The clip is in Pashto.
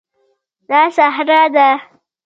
دا صحرا ده